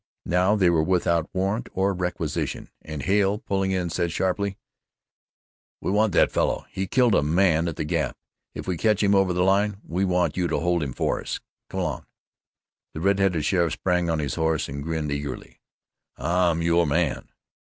Now they were without warrant or requisition, and Hale, pulling in, said sharply: "We want that fellow. He killed a man at the Gap. If we catch him over the line, we want you to hold him for us. Come along!" The red headed sheriff sprang on his horse and grinned eagerly: "I'm your man."